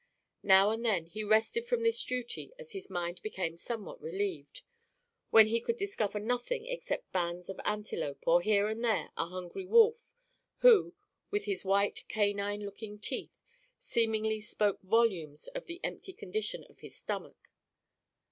Now and then he rested from this duty as his mind became somewhat relieved, when he could discover nothing except bands of antelope, or, here and there, a hungry wolf, who, with his white, canine looking teeth, seemingly, spoke volumes of the empty condition of his stomach.